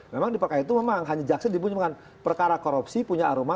memang di perkaya itu memang hanya jaksa di punya bukan perkara korupsi punya aroma